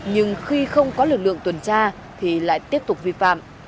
nhưng khi không có lực lượng tuần tra thì lại tiếp tục vi phạm